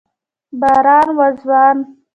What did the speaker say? باران و ځوان